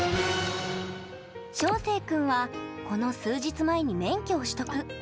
翔星君は、この数日前に免許を取得。